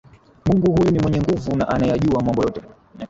Mungu huyu ni mwenye nguvu na anayeyajua mambo yote